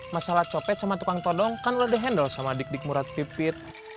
masalah copet sama tukang todong kan udah dihandle sama dik dik murad pipit